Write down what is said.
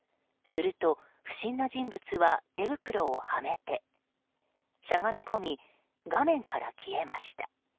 すると不審な人物は手袋をはめてしゃがみ込み画面から消えました。